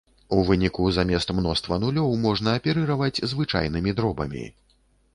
У выніку замест мноства нулёў можна аперыраваць звычайнымі дробамі.